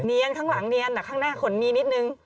ข้างหลังเนียนแต่ข้างหน้าขนมีนิดนึง